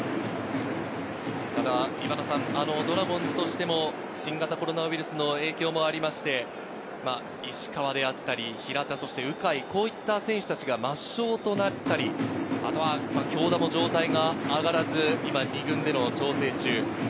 ドラゴンズとしても新型コロナウイルスの影響もあって、石川であったり、平田、鵜飼、こういった選手たちが抹消となったり、京田も状態が上がらず２軍で調整中。